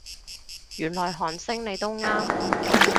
原來韓星你都啱